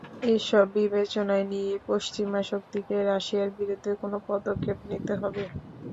এসব বিবেচনায় নিয়েই পশ্চিমা শক্তিকে রাশিয়ার বিরুদ্ধে কোনো পদক্ষেপ নিতে হবে।